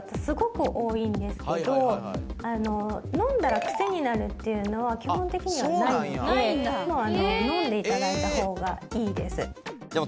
飲んだらクセになるっていうのは基本的にはないので飲んで頂いた方がいいです。